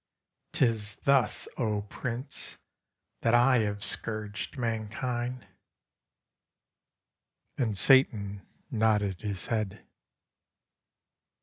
'Tis thus, O, Prince, that I have scourged mankind." And Satan nodded his head.